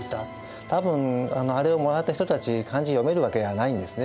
多分あれをもらった人たち漢字読めるわけがないんですね。